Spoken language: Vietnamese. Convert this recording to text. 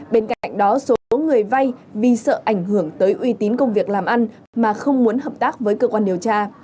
bên cạnh đó số người vay vì sợ ảnh hưởng tới uy tín công việc làm ăn mà không muốn hợp tác với cơ quan điều tra